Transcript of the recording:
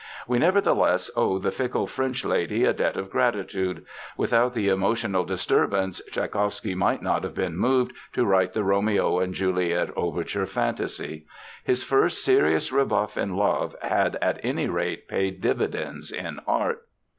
We nevertheless owe the fickle French lady a debt of gratitude. Without the emotional disturbance Tschaikowsky might not have been moved to write the Romeo and Juliet overture fantasy. His first serious rebuff in love had at any rate paid dividends in art.